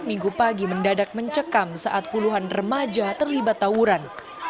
minggu pagi mendadak mencekam saat puluhan remaja terlibat tawuran